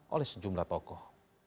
oleh sejumlah tokoh